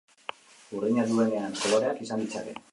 Burdina duenean koloreak izan ditzake.